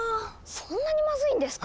そんなにまずいんですか？